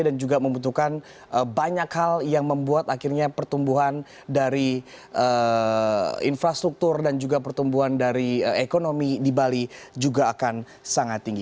dan juga membutuhkan banyak hal yang membuat akhirnya pertumbuhan dari infrastruktur dan juga pertumbuhan dari ekonomi di bali juga akan sangat tinggi